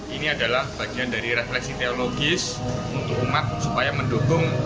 ini adalah bagian dari refleksi teologis untuk umat supaya mendukung